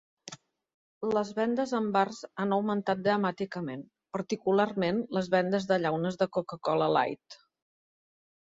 Les vendes en bars han augmentat dramàticament, particularment les vendes de llaunes de Coca-Cola Light.